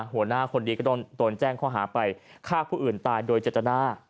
หัวหน้าคนนี้ก็โดนแจ้งข้อหาไปฆ่าผู้อื่นตายโดยเจตนา